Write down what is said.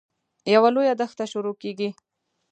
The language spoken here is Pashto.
یوه لویه دښته شروع کېږي.